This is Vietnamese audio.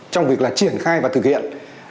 trong việc là triển khai và thực hiện